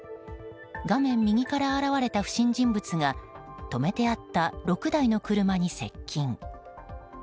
画面右から現れた不審人物が止めてあった６台の車に接近。